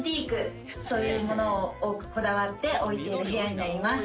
そういう物を多くこだわって置いている部屋になります。